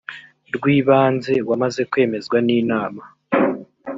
rw ibanze wamaze kwemezwa n inama